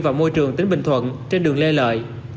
và môi trường tỉnh bình thuận trên đường lê lợi